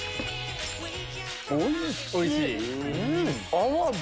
おいしい！